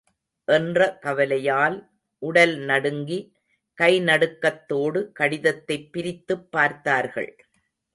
என்ற கவலையால், உடல் நடுங்கி, கைநடுக்கத் தோடு கடிதத்தைப் பிரித்துப் பார்த்தார்கள்.